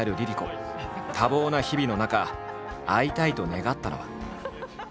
多忙な日々の中会いたいと願ったのは。